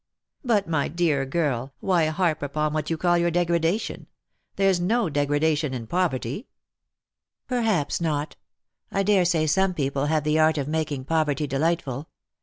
"But, my dear girl, why harp upon what you call your degradation ? There's no degradation in poverty." " Perhaps not. I daresay some people have the art of making 102 Lost for Love. poverty delightful.